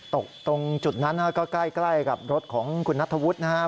ตกตรงจุดนั้นก็ใกล้กับรถของคุณนัทธวุฒินะครับ